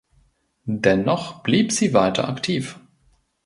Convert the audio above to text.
Dennoch blieb sie weiter aktiv.